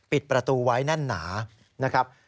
ปิดประตูไว้แน่นหนานะครับ